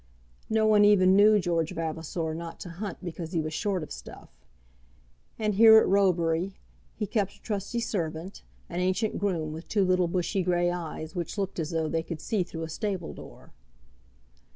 No one even knew George Vavasor not to hunt because he was short of stuff. And here, at Roebury, he kept a trusty servant, an ancient groom with two little bushy grey eyes which looked as though they could see through a stable door.